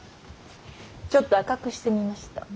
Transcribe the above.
ちょっと赤くしてみました。